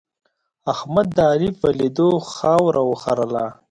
احمد د علي په لیدو خاوره وخرله.